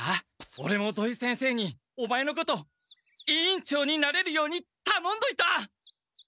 オレも土井先生にオマエのこと委員長になれるようにたのんどいた！